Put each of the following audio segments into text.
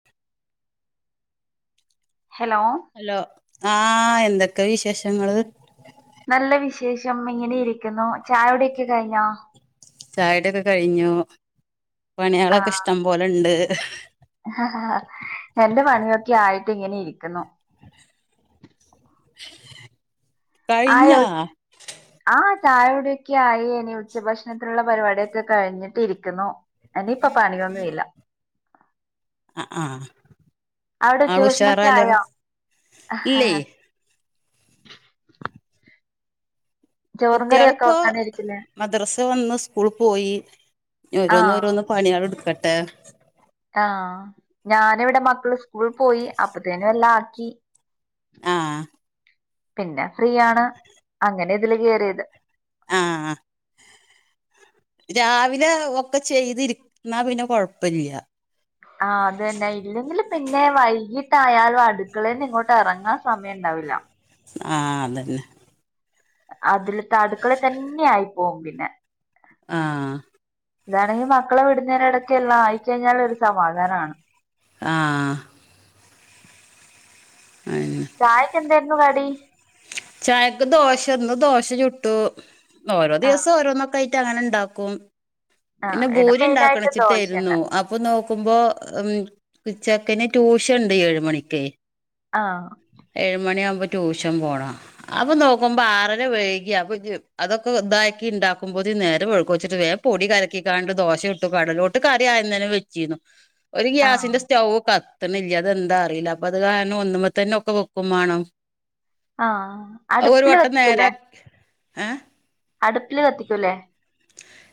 [inaudible] Hello hello ആഹ് എന്തൊക്കെ വിശേഷങ്ങള് നല്ല വിശേഷം ഇങ്ങനെരിക്കുന്നു ചായുടിയൊക്കെ കഴിഞ്ഞോ ചായുടിക്കെ കഴിഞ്ഞു പണ്യേളൊക്കെ ഇഷ്ടം പോലെണ്ട്. ഹേ ഹാഹ് എന്റെ പണിയൊക്കെ ആയിട്ട് ഇങ്ങനെരിക്ക്ന്നു. [inaudible] ആയോ കഴിഞ്ഞാ ആഹ് ചായുടിയൊക്കായി ഇനി ഉച്ചഭക്ഷണത്തിന്ള്ള പരിപാട്യക്കെ കഴിഞ്ഞിട്ടിരിക്ക്ന്നു. എനിയിപ്പ പണിയൊന്നു ഇല്ല. അആഹ് അവിടെ ആള് ഉച്ചഭക്ഷണൊക്കെ ഉഷാറാലോ ആയോ ഇല്ലേ ചോറും കറിയൊക്കെ കുട്ട്യേള്പ്പോ വെക്കാനിരിക്കില്ലേ മദ്രാസ് വന്ന് സ്കൂൾ പോയി ഇഞ്ഞ് ആഹ് ഓരോന്നോരോന്ന് പണ്യേള് ഇട്ക്കട്ടെ. ആഹ് ഞാന് ഇവിടെ മക്കള് സ്കൂൾ പോയി അപ്പത്തേനു എല്ലാം ആക്കി. ആഹ് പിന്നെ ഫ്രീയാണ് അങ്ങനെ ഇതില് കേറിയത്. ആഹ് രാവിലെ ഒക്കെ ചെയ്തിരി ന്നാ പിന്നെ കൊഴപ്പല്ല. ആഹ് അത് തന്നെ ഇല്ലെങ്കില് പിന്നെ വൈകീട്ടായാലും അട്ക്കളെന്ന് ഇങ്ങോട്ട് എറങ്ങാൻ സമയണ്ടാവില്ല. ആഹ് അതെന്നെ. അതില്ത്ത അട്ക്കളെത്തന്നെ ആയി പോകും പിന്നെ. ആഹ് ഇതാണെങ്കി മക്കളെ വിടുന്നേനെടക്ക് എല്ലാ ആയി കഴിഞ്ഞാലൊര് സമാധാനാണ്. ആഹ് അതെന്നെ ചായക്ക് എന്തായിരുന്നു കടി ചായക്ക് ദോശ ഇന്ന് ദോശ ചുട്ടു ഓരോ ആഹ് ദിവസം ഓരോന്നോക്കായി ട്ട് അങ്ങനെണ്ടാക്കും ആഹ് പിന്നെ ഇവിടെ ഭൂരി മെയിനായിട്ട് ദോശ ഉണ്ടാക്കണച്ചിട്ടേരുന്നു തന്നെ അ പ്പൊ നോക്കുമ്പോ ഉം ചെക്കന് ട്യൂഷൻണ്ട് ഏഴ് മണിക്കേ ആഹ് ഏഴ് മണിയാവുമ്പോ ട്യൂഷൻ പോണം അപ്പൊ നോക്കുമ്പോ ആറര വൈകി അപ്പംഞ്ഞ് അതൊക്കെ ഇതാക്കി ഇണ്ടാക്കുമ്പോത്തിന് നേരം വൈകുച്ചിട്ട് വേം പൊടി കലക്കിക്കാണ്ട് ദോശ ചുട്ടു കടലോട്ട് കറി ആദ്യം തന്നെ വെച്ചീന്നു. ഒര് ആഹ് ഗ്യാസിന്റെ സ്റ്റവ് കത്ത്ണില്ല അതെന്താ അറീല അപ്പത് കാരണം ഒന്നുമ്മത്തന്നെ ഒക്കെ വെക്കും മാണം. ആഹ് അത് ഒരു അടുപ്പില് വട്ടം നേരാ ഏഹ് അട്പ്പില് കത്തിക്കൂലേ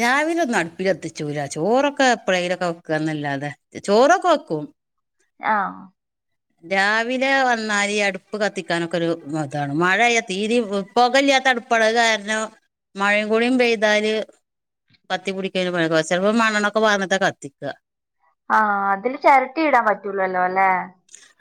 രാവിലൊന്നും അട്പ്പില് കത്തിച്ചൂല ചോറൊക്കെ എപ്പളെലൊക്കെ വെക്കാന്നല്ലാതെ ചോറൊക്കെ വെക്കും. ആഹ്. രാവിലെ വന്നാല് ഈ അടുപ്പ് കത്തിക്കാനൊക്കെ ഒരു മ താണ് മഴയ്യ തീരിം പൊകല്ലാതടുപ്പാണ് അഹ് കാരണം. മഴ കൂടിം പെയ്താല്. കത്തിപിടിക്ക [unintelligible] ചലപ്പോ മണ്ണൊക്കെ പാർനിട്ട കത്തിക്ക ആഹ് അതില് ചെരട്ട ഇടാൻ പറ്റുള്ളല്ലോ ല്ലെ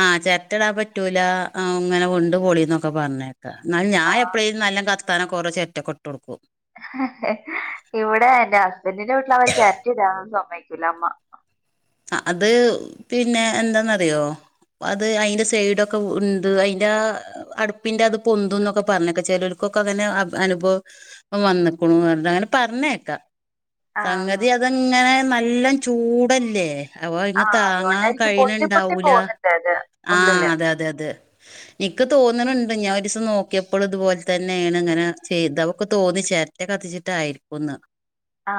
ആഹ് ചെര്ട്ടടാ പറ്റൂല അ ഇങ്ങനെ വിണ്ട്പൊളിന്നൊക്കെ പറഞ് എന്നാൽ ഞാൻ ആഹ് എപ്പഴും നല്ലാ കത്താന കുറോ ചെര്റ്റ കൊട്ട് കൊടുക്കും. ഇവിടെ എന്റെ ഹസ്ബൻഡിന്റെ വീട്ടിൽ അവർ ചിരട്ട ഇടാൻ സമ്മതിക്കൂല്ല അമ്മ അത് പിന്നെ എന്താന്നറിയോ അത് അതിന്റെ സൈഡൊക്കെ ഉണ്ട് അതിൻ്റെ അടുപ്പിന്റെ അത് പൊന്തും എന്നൊക്കെ പറഞ്ഞക്കെ ചിലർക്കൊക്കെ അങ്ങനെ അനുഭവം വന്നേക്കണു എന്തായാലും പറഞ്ഞേക്കാ ആഹ് സംഗതി അതങ്ങനെ നല്ല ചൂടല്ലേ അവ ഇങ്ങനെ ആഹ് താങ്ങാൻ അതുകൊണ്ടായിരിക്കും പൊട്ടി പൊട്ടി കഴിയണണ്ടാവൂല്ല പോകുന്നുണ്ട് അത് ആ ഉള്ളില് അതെ അതെ അതെ എനിക്ക് തോന്നണുണ്ട് ഞാൻ ഒരു ദിവസം നോക്കിയപ്പോൾ ഇതുപോലെ തന്നെയാണ് ഇങ്ങനെ ചെയ്തേ അവൊക്കെ തോന്നിച്ചേ [inaudible] കത്തിച്ചിട്ടായിരിക്കുമെന്ന് ആ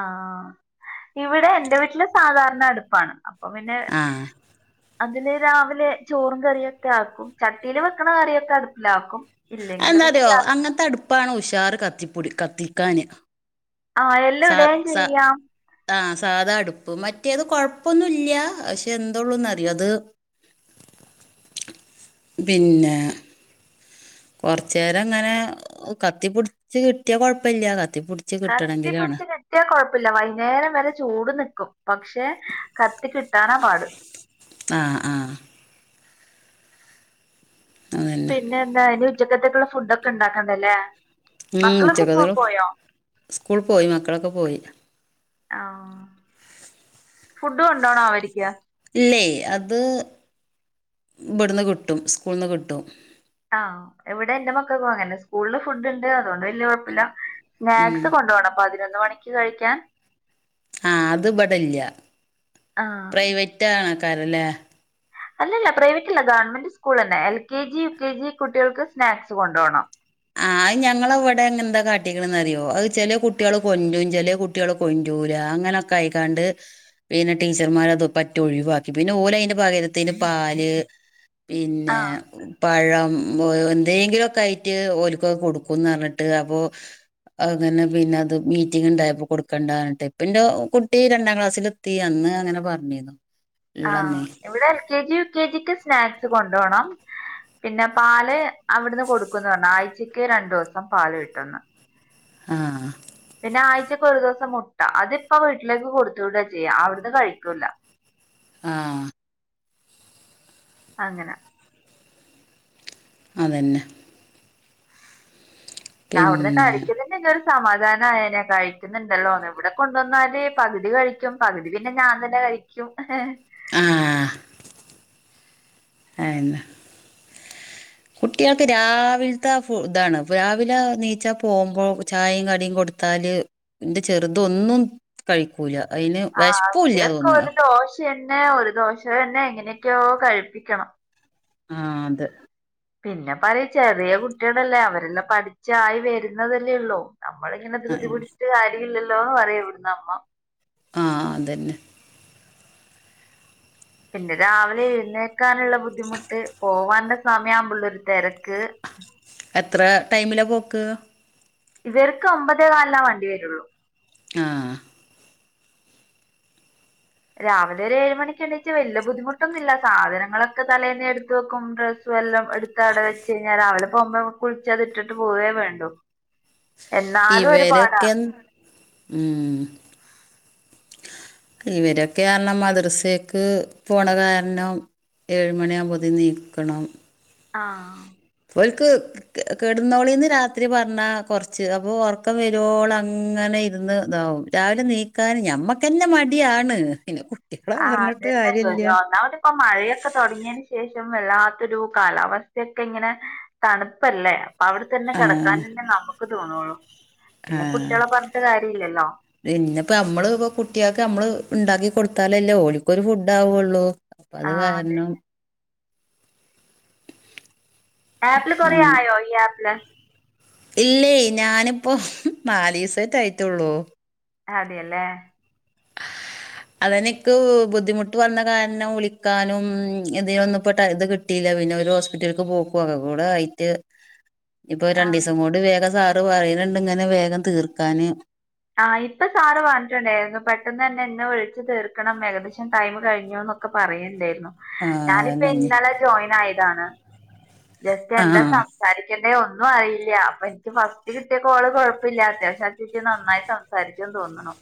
ഇവിടെ എന്റെ വീട്ടിൽ സാധാരണ അടുപ്പാണ് അപ്പൊ പിന്നെ ആഹ് അതി രാവിലെ ചോറും കറിയൊക്കെ ആക്കും ചട്ടിൽ വെയ്ക്കണ കറിയൊക്കെ അടുപ്പിലാക്കും ഇല്ലെങ്കില് പിന്നെ എന്തറിയോ ഗ്യാ അങ്ങനത്തെ അടുപ്പാണ് ഉഷാറ് കത്തിപ്പൊടി കത്തിക്കാന് ആഹ് എല്ലാം സ ഇടുകയും സ ചെയ്യാം ആ സാധാ അടുപ്പ് മറ്റേത് കുഴപ്പൊന്നും ഇല്ല പക്ഷെ എന്തള്ളൂന്ന് അറിയോ അത് [inaudible] പിന്നെ കുറച്ച നേരം ഇങ്ങനെ കത്തി പിടിച്ച് കിട്ടിയ കുഴപ്പമില്ല കത്തിപ്പിടിച്ച് കിട്ടണമെങ്കിലുലാണ് കത്തിയാ കുഴപ്പമില്ല വൈകുന്നേരം വരെ ചൂട് നിൽക്കും പക്ഷെ കത്തി കിട്ടാനാ പാട് ആഹ് ആഹ് അതന്നെ പിന്നെ എന്താ ഇന്ന് ഉച്ചക്കത്തേക്കുള്ള ഫുഡ് ഒക്കെ ഉണ്ടാക്കണ്ടല്ലേ [inaudible] മക്കളൊക്കെ സ്കൂൾ പോയോ [unintelligible] സ്കൂൾ പോയി മക്കളൊക്കെ പോയി. ആഹ് ഫുഡ് കൊണ്ടോണോ അവർക്ക് ഇല്ലേ അത് ഇവിടുന്ന് കിട്ടും സ്കൂളിൽ നിന്ന് കിട്ടും ആ എവിടെ എന്റെ മക്കൾ അങ്ങനെ സ്കൂളിൽ ഫുഡ് ഉണ്ട് അതുകൊണ്ട് വല്യ കുഴപ്പമില്ല. ഉം സ്നാക്സ് കൊണ്ടുപോണം പതിനൊന്ന് മണിക്ക് കഴിക്കാൻ ആ അത് ഇവിടെയില്ല ആഹ് പ്രൈവറ്റ് ആണക്കാരല്ലേ അല്ലല്ല പ്രൈവറ്റ് അല്ല ഗവൺമെന്റ് സ്കൂൾ തന്നെ എൽകെജി യുകെജി കുട്ടികൾക്ക് സ്നാക്സ് കൊണ്ടുപോകണം. ആ അത് ഞങ്ങളവിടെ എന്താ കാട്ടിക്കണ അറിയോ അത് ചില കുട്ടികൾ കൊല്ലും ചില കുട്ടികള് കൊണ്ടൂല്ല അങ്ങനെയൊക്കെ കഴിക്കാണ്ട് പിന്നെ ടീച്ചർമാർ അത് പറ്റി ഒഴിവാക്കി പിന്നെ ഓൻ അതിന്റെ പകരത്തിന് പാൽ പിന്നെ ആഹ് പഴം എന്തെങ്കിലുമൊക്കെ ആയിട്ട് ഓല്ക്ക് കൊടുക്കുന്നു അറിഞ്ഞിട്ട് അപ്പോ അങ്ങനെ പിന്നെ അത് മീറ്റിംഗ് ഉണ്ടായപ്പോ കൊടുക്കേണ്ടന്നിട്ട് പിന്നെ കുട്ടി രണ്ടാം ക്ലാസ്സിൽ യെ അന്ന് അങ്ങനെ പറഞ്ഞിരുന്നു. ആ ഇള്ളന്നേ ഇവിടെ എൽകെജി യുകെജിക്ക് സ്നാക്സ് കൊണ്ടുപോണം. പിന്നെ പാൽ അവിടുന്ന് കൊടുക്കുന്നു പറഞ്ഞു ആഴ്ചക്ക് രണ്ടു ദിവസം പാൽ കിട്ടുന്നു ആഹ് പിന്നെ ആഴ്ചയിൽ ഒരു ദിവസം മുട്ട അതിപ്പോ വീട്ടിലേക്ക് കൊടുത്തവിട ചെയ്യാം അവിടുന്ന് കഴിക്കൂല്ല. ആഹ് അങ്ങനെ അതന്നെ താ അവ്ട്ന്ന് പിന്നെ കടിക്കുന്നുണ്ട് ഒരു സമാധാനം ആയനേ കഴിക്കുന്നുണ്ടല്ലോ ഇവിടെ കൊണ്ടുവന്നാൽ പകുതി കഴിക്കും പകുതി പിന്നെ ഞാൻ തന്നെ കഴിക്ക്യും,. ആഹ് ഏഹ് ഇന്ന കുട്ട്യേൾക്ക് രാവിൽത്തെ ഇതാണ് രാവിലെ എണിച്ച് പോകുമ്പോ ചായയും കടിയും കൊടുത്ത് ത്താല് ഇന്റെ ചെറുതൊന്നും കഴിക്കൂല്ല. അയ്ന് വെശ്പ്പൂല തോന്ന്ണ് പിന്നെ ഒരു ദോശ തന്നെ എങ്ങനെയൊക്കെയോ കഴിപ്പിക്കണം. ആഹ് അത് പിന്നെ പറയു ചെറിയ കുട്ട്യേളെല്ലേ അവരെല്ലാം പഠിച്ചായി വരുന്നതെല്ലെ യൊള്ളൂ നമ്മളിങ്ങനെ ധൃതി പിടിച്ച് കാര്യ ഇല്ലല്ലോ പറയാ ഇവിട്ന്ന് അമ്മ ആഹ് അതെന്നെ പിന്നെ രാവിലെ എഴുന്നേക്കാന്ള്ള ബുദ്ധിമുട്ട് പോവാന്റെ സമയാവുമ്പ ഉള്ളെരു തെരക്ക് എത്ര ടൈമില പോക്ക് ഇവർക്ക് ഒമ്പതേ കാലില്ല വണ്ടി വരൊള്ളൂ ആഹ് രാവിലെ ഒരു ഏഴ് മണിക്ക് എണിറ്റ് വല്ല ബുദ്ധിമുട്ടൊന്നുല്ല സാധനങ്ങളൊക്കെ തലേന്ന് എടുത്ത് വെക്കും ന്ത് വെല്ലം എടുത്തടച്ച് വെച്ച് കഴിഞ്ഞാ രാവിലെ പോവുംമ്പോ കുളിച്ചത് ഇട്ടിട്ട് പോവേ വേണ്ടു എന്നാലും ഒരുപാടാ ഇവരൊക്കെ ഉം ഇവരൊക്കെ ആര്ണം മദ്രസേക്ക് പോണ കാര്ണം ഏഴുമണി ആവുമ്പോത്തിന് നീക്കണം ആഹ് ഓല്ക്ക് കെടന്നോളീന്ന് രാത്രി പറ്ഞ്ഞാ കൊറ്ച്ച് അപ്പൊ ഒറ്ക്കം വരോള്ളം അങ്ങനെ ഇരിന്ന് ഇതാവും രാവിലെ നീക്കാൻ ഞമ്മക്കെന്നെ മടിയാണ് പിന്നെ കുട്ട് ആഹ് അതന്നെ [unintelligible] ഇപ്പൊ മഴയൊക്കെ തൊടങ്യേയ്ന് ശേഷം വെല്ലാത്തൊരു കാലാവസ്ഥൊക്കെ ഇങ്ങനെ തണുപ്പെല്ലെ അവ്ടെ തന്നെ കെടക്കാൻ ആഹ് തന്നെ നമക്ക് തോന്നൊള്ളൂ. പിന്നെ കുട്ട്യേളെ പറഞ്ഞിട്ട് കാര്യ ഇല്ലല്ലോ പിന്നെപ്പ നമ്മള് ഇപ്പ കുട്ട്യേക്ക് നമ്മള് ഇണ്ടാക്കി കൊടുത്താലല്ലേ ഓല്ക്കൊരു ഫുഡ് ആവൊള്ളു അപ്പ അത് ആഹ് അതെ കാര്ണം ആപ്പില് കൊറേ ആഹ് ആയോ ഈ ആപ്പില് ഇല്ലേ ഞാനിപ്പോ നാലിസെറ്റെ ആയിറ്റൊള്ളൂ അതേലെ അതെന്നെ ഇക്ക് ബുദ്ധിമുട്ട് വന്ന കാര്ണം വിളിക്കാനും ഇതി ഒന്ന്പ്പോട്ട [unintelligible] കിട്ടീല്ല പിന്നെ ഒരു ഹോസ്പിറ്റൽക്ക് പോക്കു അവുടെ ആയിട്ട് ഇപ്പൊ ആഹ് രണ്ടീസം കൂടി വേഗം സാറ് പറയ്ണ് ഇണ്ട് ഇങ്ങനെ വേഗം തീർക്കാന് ആഹ് ഇപ്പ സാറ് പറഞ്ഞിട്ട്ണ്ടായിരുന്നു. പെട്ടെന്നെന്നെ ഇന്നെ വിള്ച്ച് തീർക്കണം ഏകദേശം ടൈം കഴിഞ്ഞ് ന്നൊക്കെ ഒക്ക പറയിണ്ടേന്നു. ആഹ് ഞാനിപ്പെ അതന്നെ ഇഞ്ഞ് ഇന്നലെ ജോയിൻ ആയതാണ് ജസ്റ്റ് എന്താ ആഹ് സം സംസാരിക്കേണ്ടേ ഒന്നും അറിയില്ല. അപ്പൊ ഇൻക്ക് ഫസ്റ്റ് കിട്ടിയ കോള് കൊഴപ്പില്ലാത്തെയാ അത്യ [unintelligible] ശ്യംക്ക് നന്നായി പരിചയം തോന്ന്ണു.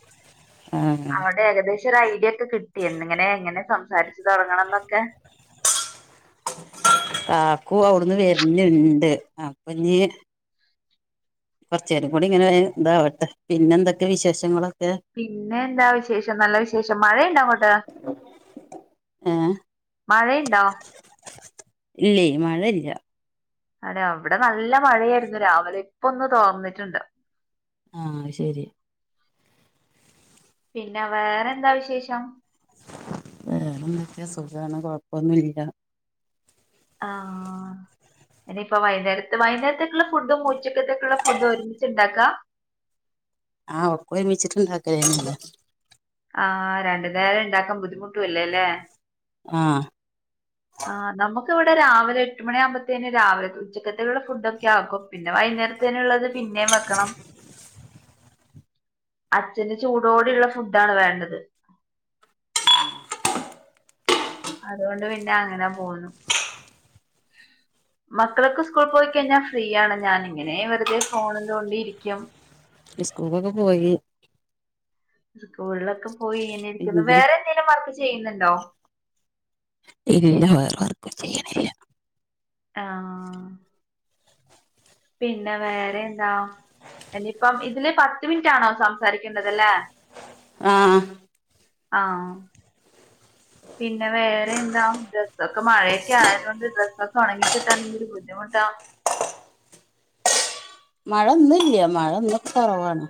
ആഹ് അവടെ ഏകദേശൊരു ഐട്യഒക്കെ കിട്ടി എന്നങ്ങനെ ഇങ്ങനെ സംസാരിച്ച് തൊടങ്ങണംന്നൊക്കെ കാക്കു അവിട്ന്ന് വരുന്നിണ്ട് അപ്പെഞ് കൊറ്ച്ചുരം കൂടി ഇങ്ങനെ ഇതാവട്ടെ പിന്നെ എന്തൊക്കെ വിശേഷങ്ങളൊക്കെ പിന്നെ എന്താ വിശേഷം നല്ല വിശേഷം മഴയുണ്ടൊ അങ്ങോട്ട് ഏഹ് മഴ ഇണ്ടോ ഇല്ലേ മഴ ഇല്ല അതെ അവ്ടെ നല്ല മഴെ ആയിരുന്നു രാവിലെ ഇപ്പൊന്ന് തോർന്നിട്ടുണ്ട് ആഹ് അഹ് ശെരി പിന്നെ വേറെ എന്താ വിശേഷം വേറെന്തൊക്കാ സുഖാണ് കൊഴപ്പൊന്നും ഇല്ല ആഹ് ഇനിപ്പോ വൈനേരത്ത് വൈനേരത്തേക്കുള്ള ഫുഡും ഉച്ചക്കത്തേക്കുള്ള ഫുഡും ഒരുമിച്ചുണ്ടാക്കാ ആഹ് ഒക്ക ഒരുമിച്ചിട്ടുണ്ടാക്കലെന്നെ ല്ലേ ആഹ് രണ്ടു നേരം ഇണ്ടാക്കാൻ ബുദ്ധിമുട്ടും അല്ലേലേ ആഹ് ആ നമുക്ക്‌ ഇവിടെ രാവിലെ എട്ടുമ മണിയ ആമ്പഴത്തേന് രാവിലെ ഉച്ചക്കെത്തുള്ള ഫുഡ്ഒക്കെ ആക്കും പിന്നെ വൈകുന്നേരത്തേനുള്ളത് പിന്നേം വെക്കണം അച്ഛന് ചൂടോടെ ഇള്ള ഫുഡാണ് വേണ്ടത് [unintelligible] അതുകൊണ്ട് പിന്നെ അങ്ങനെ പോന്നു മക്കളൊക്കെ സ്കൂൾ പോയി കഴിഞ്ഞാ ഫ്രീയാണ് ഞാൻ ഇങ്ങനെ വെറുതെ ഫോണും തോണ്ടി ഇരിക്കും സ്കൂൾക്കൊക്കെപോയി സ്കൂളിലൊക്കെ പോയി ഇങ്ങനെ ഇരിക്കുന്നു പിന്നെ വേറെ എന്തെലും വർക്ക് ചെയ്യുന്നുണ്ടോ ഇല്ലാ വേറെ വർക്കും ചെയ്യണില്ല ആഹ്. പിന്നെ വേറെ എന്താ ഇനിയിപ്പം ഇതില് പത്ത് മിനിറ്റ് ആണോ സംസാരിക്കേണ്ടത് ല്ലേ ആഹ് ആഹ് പിന്നെ വേറെ എന്താ ഡ്രസ്ഒക്കെ മഴയൊക്കെ ആയത് കൊണ്ട് ഡ്രസ്സൊക്കെ ഒണങ്ങി കിട്ടാൻ എന്തൊരു ബുദ്ധിമുട്ടാ മഴ ഇന്നില്ല്യ മഴ ഇന്ന് ഒക്കെ കൊറവാണ്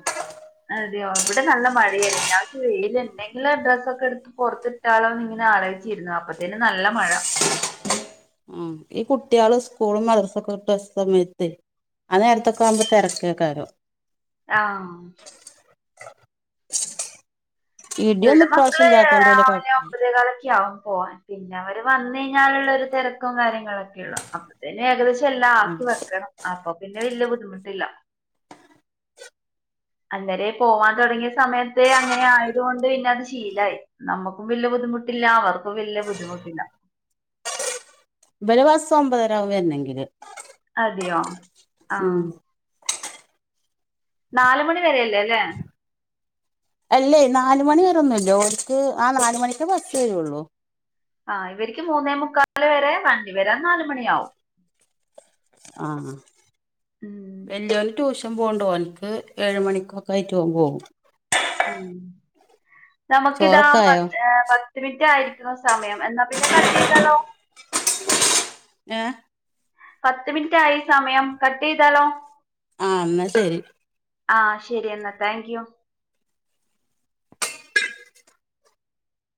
അതെയോ ഇവിടെ നല്ല മഴയായിരുന്നു ഞാവെച്ച് വെയില് ഇണ്ടെങ്കില് ഡ്രസ്സൊക്കെ എടുത്ത് പോറത്തി ട്ടാലോന്ന് ഇങ്ങനെ ആലോചിച്ചിരുന്നു അപ്പത്തെനും നല്ല മഴ ആ ഈ കുട്ട്യാള് സ്കൂളും മദ്രസൊക്കെ വിട്ടസമയത്തെ ആ നേരത്തൊക്കെ ആമ്പോ തെരക്ക് ഏക്കാരം ആഹ് [unintelligible] ഇവിടെ ഇടിയൊന്നും മക്കള് ഇപ്രാവശ്യം ഇല്ലാത്തോണ്ട് വല്യ രാവിലെ കുഴപ്പല്ല ഒമ്പതേ കാലൊക്കെ ആകും പോകാൻ പിന്നെ അവര് വന്ന് കഴിഞ്ഞാലുള്ള ഒരു തെരക്കും കാര്യങ്ങളൊക്കെ ഉള്ളൂ അപ്പ ത്തിന് ഏകദേശം എല്ലാം ആ ആക്കി വെക്കണം അപ്പൊ പിന്നെ വെല്ല്യ ബുദ്ധിമുട്ടില്ല അന്നേരെ പോവാൻ തൊടങ്ങിയ സമയത്തെ അങ്ങനെ ആയത് കൊണ്ട് പിന്നെ അത് ശീലായി നമ്മക്കും വലിയ ബുദ്ധിമുട്ടില്ല അവർക്കും വലിയ ബുദ്ധിമുട്ടില്ല ഇവരെ ബസ്സ് ഒമ്പതര ആവും വരണെങ്കില് അതെയോ ഉം ആഹ് നാല്മണി വരേല്ലേ അല്ലേ അല്ലേ നാല്മണി വരൊന്നുല്ല ഓർക്ക് ആ നാല്മണിക്ക്‌ ബസ്സ് വരുള്ളു ആ ഇവരിക്ക് മൂന്നേമുക്കാല് വരെ വണ്ടിവരാൻ നാല്മണിയാവും ആഹ് ഉം. വെല്ലിയോന് ട്യൂഷൻ പോണ്ട് ഓനിക്ക് ഏഴ് മണിക്ക്‌ ഒക്കെ ആയിട്ട് ഓൻ പോകും അങ്ങനെ നമുക്കിതാ ചോറൊക്കെ ആയോ പത്തേ പ ത്ത് മിറ്റായിരിക്കുണു സമയം എന്നാ പിന്നെ കട്ട് ചെയ്താലോ ഏഹ് പത്ത് മിനിറ്റ് ആയി സമയം കട്ട് ചെയ്താലോ ആഹ് ഇന്നാ ശെരി ആഹ് ശരിയെന്നാ താങ്ക് യു